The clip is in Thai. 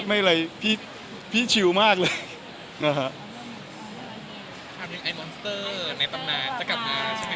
ถามนี้ไอมอนสเตอร์จะมาใช่ไหม